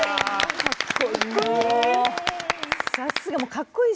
かっこいい。